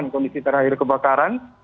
kondisi terakhir kebakaran